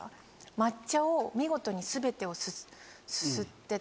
抹茶を見事に全てをすすってて。